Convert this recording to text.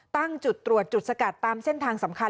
ตั้งจุดตรวจจุดสกัดตามเส้นทางสำคัญ